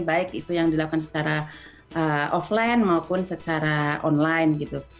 baik itu yang dilakukan secara offline maupun secara online gitu